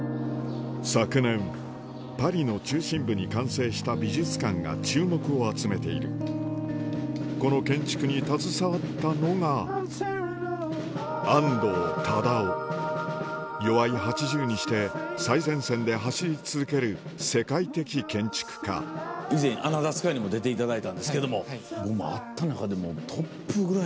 昨年パリの中心部に完成した美術館が注目を集めているこの建築に携わったのが齢８０にして最前線で走り続ける世界的建築家以前『アナザースカイ』にも出ていただいたんですけども。